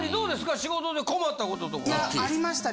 仕事で困った事とかは。ありましたね。